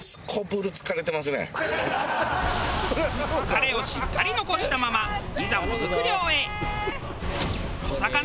疲れをしっかり残したままいざもずく漁へ。